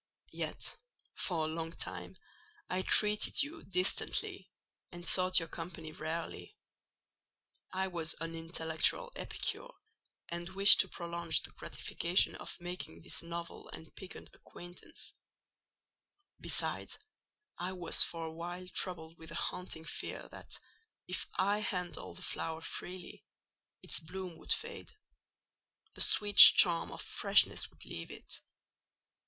Yet, for a long time, I treated you distantly, and sought your company rarely. I was an intellectual epicure, and wished to prolong the gratification of making this novel and piquant acquaintance: besides, I was for a while troubled with a haunting fear that if I handled the flower freely its bloom would fade—the sweet charm of freshness would leave it.